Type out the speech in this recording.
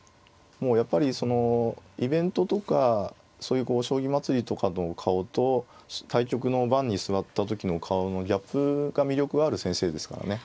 もうやっぱりそのイベントとかそういうこう将棋まつりとかの顔と対局の盤に座った時の顔のギャップが魅力ある先生ですからね